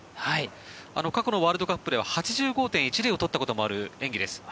過去のワールドカップでは８６．１０を取ったことのある技です。